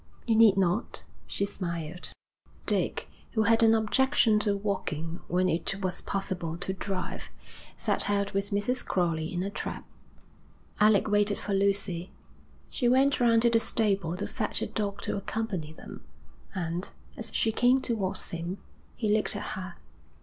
'You need not,' she smiled. Dick, who had an objection to walking when it was possible to drive, set out with Mrs. Crowley in a trap. Alec waited for Lucy. She went round to the stable to fetch a dog to accompany them, and, as she came towards him, he looked at her.